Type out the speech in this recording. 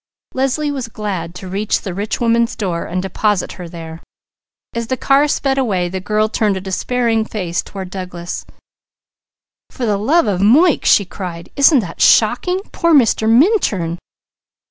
Leslie was glad to reach the rich woman's door and deposit her there. As the car sped away the girl turned a despairing face toward Douglas: "For the love of Moike!" she cried. "Isn't that shocking? Poor Mr. Minturn!"